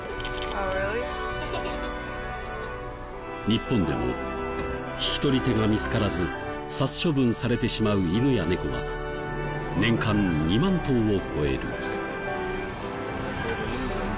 日本でも引き取り手が見つからず殺処分されてしまう犬や猫は年間２万頭を超える。